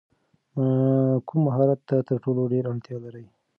کوم مهارت ته تر ټولو ډېره اړتیا لرې؟